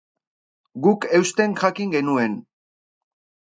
Guk eusten jakin genuen.